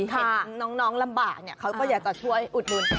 เห็นน้องลำบากเขาก็อยากจะช่วยอุดหนุน